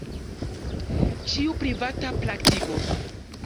Ĉu privata praktiko?